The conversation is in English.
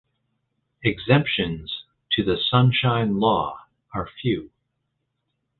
Exemptions to the Sunshine Law are few.